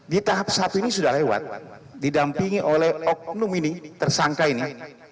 di tahap satu ini sudah lewat didampingi oleh oknum ini tersangka ini